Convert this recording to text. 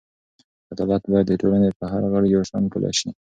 عدالت باید د ټولنې په هر غړي یو شان پلی شي.